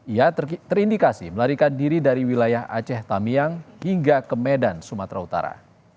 ia terindikasi melarikan diri dari wilayah aceh tamiang hingga ke medan sumatera utara